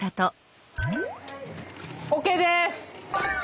ＯＫです。